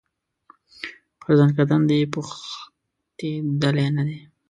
پر زکندن دي پوښتېدلی نه دی